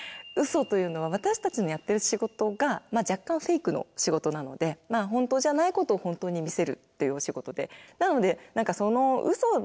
うそというのは私たちのやってる仕事が若干フェイクの仕事なのでまあ本当じゃない事を本当に見せるっていうお仕事で。